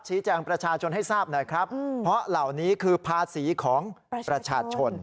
แจงประชาชนให้ทราบหน่อยครับเพราะเหล่านี้คือภาษีของประชาชน